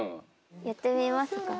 やってみますか。